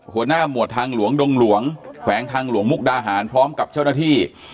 หมวดทางหลวงดงหลวงแขวงทางหลวงมุกดาหารพร้อมกับเจ้าหน้าที่